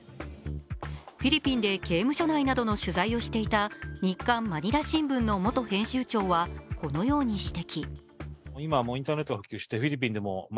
フィリピンで刑務所内などの取材をしていた「日刊まにら新聞」の元編集長はこのように指摘。